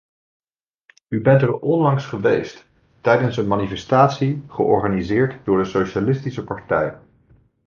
U bent er onlangs geweest, tijdens een manifestatie georganiseerd door de socialistische partij.